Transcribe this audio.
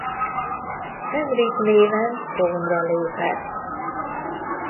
Henrik néven trónra lépett.